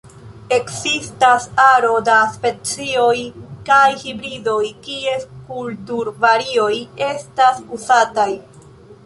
Ekzistas aro da specioj kaj hibridoj, kies kulturvarioj estas uzataj.